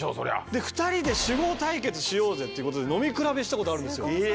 で２人で酒豪対決しようぜっていうことで飲み比べしたことあるんですよ。